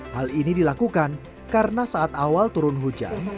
hal ini dilakukan karena saat awal turun hujan